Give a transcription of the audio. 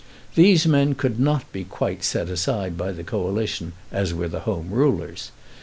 These men could not be quite set aside by the Coalition as were the Home Rulers.